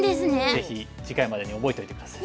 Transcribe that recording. ぜひ次回までに覚えといて下さい。